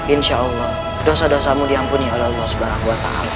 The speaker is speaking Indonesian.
insya allah dosa dosamu diampuni oleh allah swt